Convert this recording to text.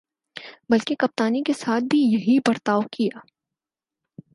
بلکہ کپتانی کے ساتھ بھی یہی برتاؤ کیا۔